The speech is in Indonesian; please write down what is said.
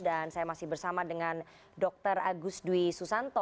dan saya masih bersama dengan dr agus dwi susanto